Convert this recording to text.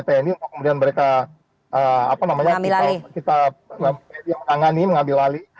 untuk kemudian mereka kita tangani mengambil alih